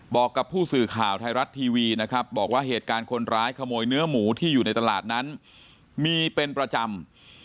บอกกับผู้สื่อข่าวไทยรัฐทีวีนะครับบอกว่าเหตุการณ์คนร้ายขโมยเนื้อหมูที่อยู่ในตลาดนั้นมีเป็นประจำ